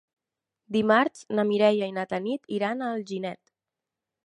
Dimarts na Mireia i na Tanit iran a Alginet.